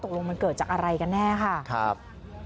ตกลงมันเกิดจากอะไรกันแน่ค่ะครับ